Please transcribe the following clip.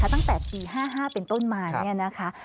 ตั้งแต่ปี๕๕๕๕เป็นต้นมา